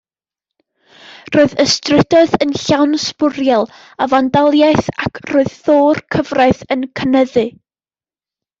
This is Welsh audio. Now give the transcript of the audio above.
Roedd y strydoedd yn llawn sbwriel a fandaliaeth ac roedd thor-cyfraith yn cynyddu.